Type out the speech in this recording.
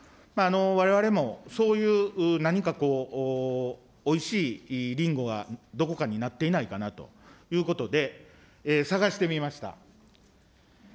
われわれもそういうなにかこう、おいしいりんごはどこかになっていないかなということで、探してみました。